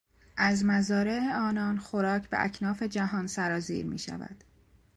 از مزارع آنان خوراک به اکناف جهان سرازیر میشود.